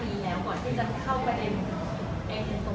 ที่แซะเอาออกมันมันออกงั้น